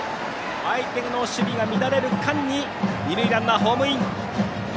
相手の守備が乱れる間に二塁ランナー、ホームイン！